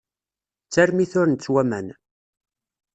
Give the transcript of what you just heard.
D tarmit ur nettwaman.